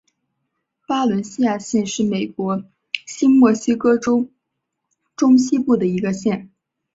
巴伦西亚县是美国新墨西哥州中西部的一个县。